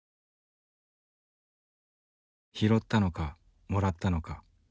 拾ったのかもらったのか。